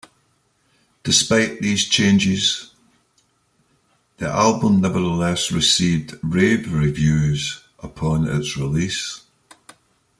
Despite these changes, the album nevertheless received rave reviews upon its release.